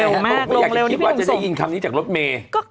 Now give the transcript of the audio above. เขาว่าไงไม่อยากจะคิดว่าจะได้ยินคำนี้จากรถเมย์ลงเร็วมากลงเร็วนี่พี่ผมส่ง